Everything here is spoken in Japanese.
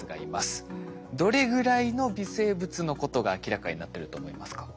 どれぐらいの微生物のことが明らかになってると思いますか？